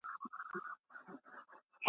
که لارښوونې ګډې وډې وي نو زده کوونکي حیرانیږي.